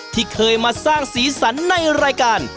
ที่เคยมาสร้างสีสันในรายการ